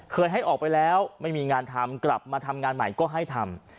ให้ออกไปแล้วไม่มีงานทำกลับมาทำงานใหม่ก็ให้ทำ